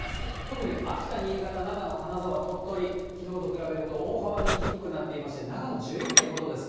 特に秋田、新潟、長野、金沢、鳥取、きのうと比べると大幅に低くなっていまして、長野１１．５度です。